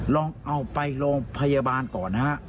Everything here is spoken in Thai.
ลองเอาไปโรงพยาบาลก่อนนะฮะ